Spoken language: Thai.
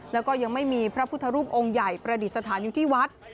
แล้วก็ยังไม่มีพระพุทธรูปองค์ใหญ่ประดิษฐานอยู่ที่วัด